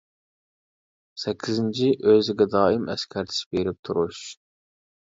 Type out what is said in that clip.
سەككىزىنچى، ئۆزىگە دائىم ئەسكەرتىش بېرىپ تۇرۇش.